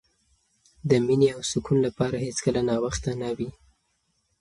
د مینې او سکون لپاره هېڅکله ناوخته نه وي.